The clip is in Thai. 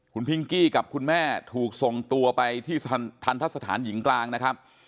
คุณพิงกี้กับคุณแม่ถูกส่งตัวไปที่ทันทะสถานหญิงกลางนะครับ